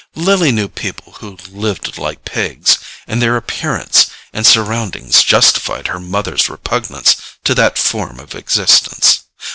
Lily knew people who "lived like pigs," and their appearance and surroundings justified her mother's repugnance to that form of existence.